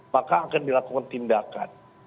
maka akan dilakukan tindakan